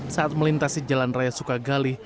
saat melintasi jalan raya sukagali